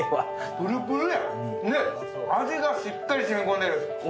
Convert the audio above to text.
プルプルやん、味がしっかり染み込んでる。